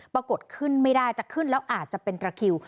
ปรากฏขึ้นไม่ได้จะขึ้นแล้วอาจจะเป็นตระคิว